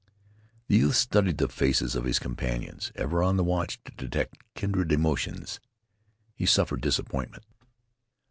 The youth studied the faces of his companions, ever on the watch to detect kindred emotions. He suffered disappointment.